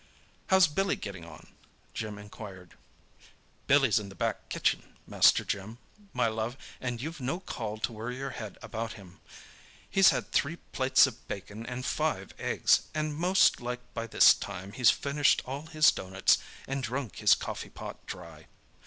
"How's Billy getting on?" Jim inquired. "Billy's in the back kitchen, Master Jim, my love, and you've no call to worry your head about him, He's had three plates of bacon and five eggs, and most like by this time he's finished all his doughnuts and drunk his coffee pot dry.